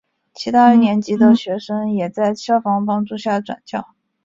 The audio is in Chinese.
其他年级的学生也在校方帮助下转校。